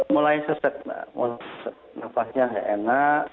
mulai sesek nafasnya enak